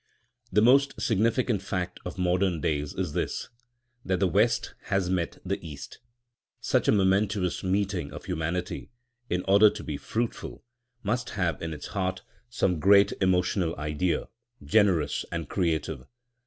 The most significant fact of modern days is this, that the West has met the East. Such a momentous meeting of humanity, in order to be fruitful, must have in its heart some great emotional idea, generous and creative.